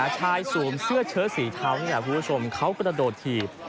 ชายสูงเสื้อเชื้อสีเท้าเนี่ยคุณผู้ชมเขากระโดดถีบ